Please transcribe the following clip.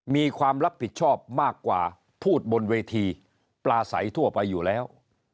มีความรับผิดชอบมากกว่าพูดบนเวทีปลาใสทั่วไปอยู่แล้ว